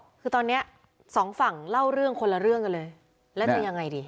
คือตอนเนี้ยสองฝั่งเล่าเรื่องคนละเรื่องกันเลยแล้วจะยังไงดี